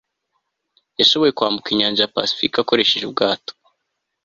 yashoboye kwambuka inyanja ya pasifika akoresheje ubwato